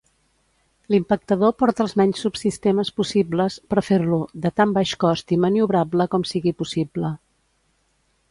L'impactador porta els menys subsistemes possibles, per fer-lo de tan baix cost i maniobrable com sigui possible.